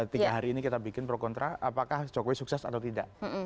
tiga hari ini kita bikin pro kontra apakah jokowi sukses atau tidak